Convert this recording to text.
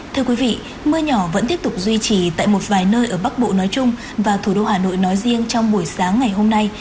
thưa quý vị mưa nhỏ vẫn tiếp tục duy trì tại một vài nơi ở bắc bộ nói chung và thủ đô hà nội nói riêng trong buổi sáng ngày hôm nay